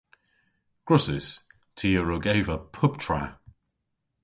Gwrussys. Ty a wrug eva puptra.